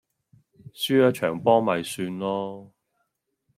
輸左場波咪算囉